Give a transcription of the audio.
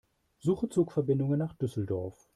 Suche Zugverbindungen nach Düsseldorf.